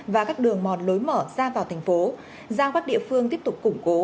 và các đường mòn lối mở ra vào thành phố giao các địa phương tiếp tục củng cố